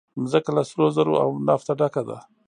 مځکه له سرو زرو او نفته ډکه ده.